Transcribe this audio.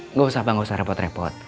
nggak usah bang nggak usah repot repot